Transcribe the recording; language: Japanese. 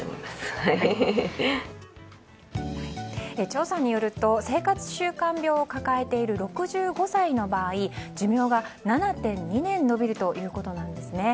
調査によると生活習慣病を抱えている６５歳の場合、寿命が７．２年延びるということなんですね。